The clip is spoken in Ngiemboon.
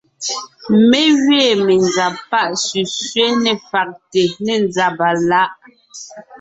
Mé gẅiin menzab pá sẅísẅé ne fàgte ne nzàba láʼ.